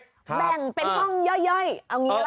แบ่งเป็นห้องย่อยเอางี้แล้ว